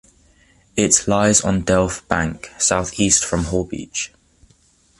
It lies on Delph Bank, south-east from Holbeach.